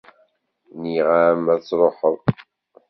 -Nniɣ-am ad truḥeḍ!